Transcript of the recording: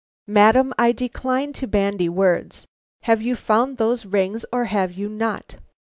"Madam, I decline to bandy words. Have you found those rings, or have you not?"